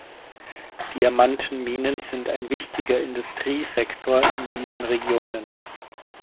Diamantenminen sind ein wichtiger Industriesektor in diesen Regionen.